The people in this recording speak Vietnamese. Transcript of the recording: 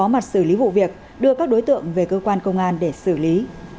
mặt xử lý vụ việc đưa các đối tượng về cơ quan công an để xử lý